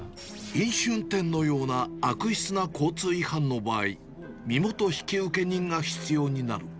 飲酒運転のような悪質な交通違反の場合、身元引き受け人が必要になる。